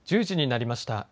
１０時になりました。